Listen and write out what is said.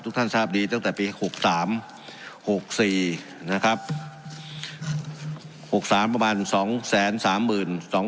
ทุกท่านทราบดีตั้งแต่ปีหกสามหกสี่นะครับหกสามประมาณสองแสนสามหมื่นสอง